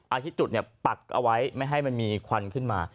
อาทิตย์จุดเนี่ยปักเอาไว้ไม่ให้มันมีควันขึ้นมา